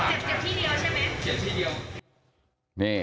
เจ็บที่เดียว